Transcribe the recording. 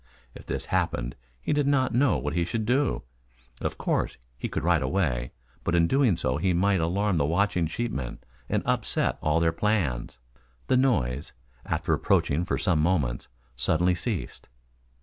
If this happened he did not know what he should do. Of course he could ride away, but in doing so he might alarm the watching sheepmen and upset all their plans. The noise after approaching for some moments, suddenly ceased.